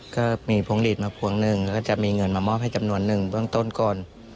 ก็มีพวงหลีดมาพวงหนึ่งก็จะมีเงินมามอบให้จำนวนหนึ่งเบื้องต้นก่อน